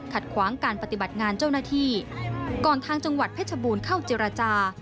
ขวางการปฏิบัติงานเจ้าหน้าที่ก่อนทางจังหวัดเพชรบูรณ์เข้าเจรจา